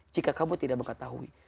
jika kamu tidak mengetahui